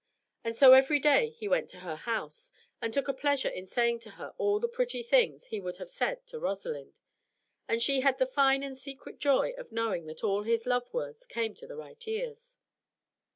And so every day he went to her house, and took a pleasure in saying to her all the pretty things he would have said to Rosalind; and she had the fine and secret joy of knowing that all his love words came to the right ears.